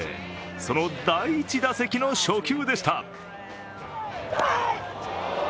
その第１打席の初球でした。